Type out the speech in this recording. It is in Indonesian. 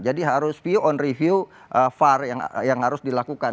jadi harus view on review far yang harus dilakukan